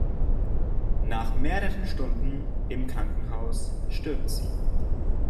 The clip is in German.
Nach mehreren Stunden im Krankenhaus stirbt sie.